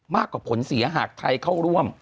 มากกว่าผลเสียหากไทยเข้าร่วม